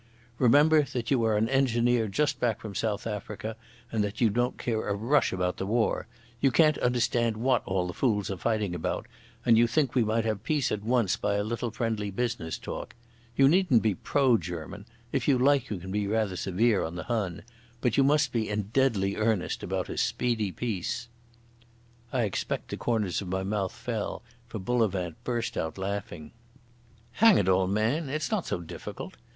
Remember that you are an engineer just back from South Africa, and that you don't care a rush about the war. You can't understand what all the fools are fighting about, and you think we might have peace at once by a little friendly business talk. You needn't be pro German—if you like you can be rather severe on the Hun. But you must be in deadly earnest about a speedy peace." I expect the corners of my mouth fell, for Bullivant burst out laughing. "Hang it all, man, it's not so difficult.